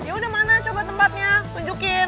ya udah mana coba tempatnya tunjukin